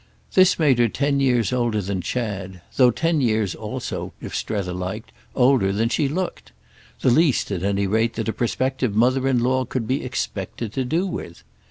This made her ten years older than Chad—though ten years, also, if Strether liked, older than she looked; the least, at any rate, that a prospective mother in law could be expected to do with.